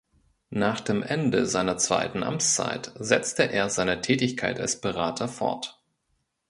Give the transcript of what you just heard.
Nach dem Ende seiner zweiten Amtszeit setzte er seine Tätigkeit als Berater fort.